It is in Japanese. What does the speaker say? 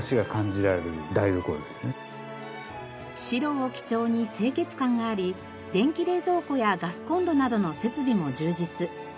白を基調に清潔感があり電気冷蔵庫やガスコンロなどの設備も充実。